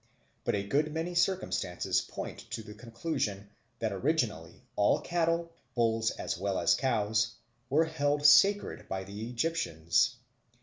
But a good many circumstances point to the conclusion that originally all cattle, bulls as well as cows, were held sacred by the Egyptians.